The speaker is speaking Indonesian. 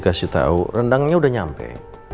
makanya udah nyampe